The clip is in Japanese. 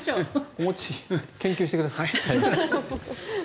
研究してください。